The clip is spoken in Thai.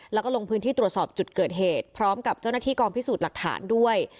แล้วก็ลงพื้นที่ตรวจสอบจุดเกิดเหตุพร้อมกับเจ้าหน้าที่กองพิสูจน์หลักฐานด้วย